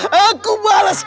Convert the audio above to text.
besteht apes di sini